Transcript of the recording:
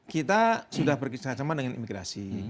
kita sudah bekerja sama dengan imigrasi